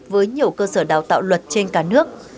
với nhiều cơ sở đào tạo luật trên cả nước